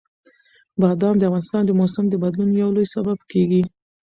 بادام د افغانستان د موسم د بدلون یو لوی سبب کېږي.